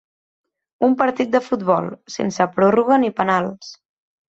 Un partit de futbol, sense pròrroga ni penals.